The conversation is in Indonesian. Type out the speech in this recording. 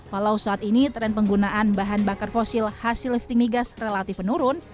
walau saat ini tren penggunaan bahan bakar fosil hasil lifting migas relatif menurun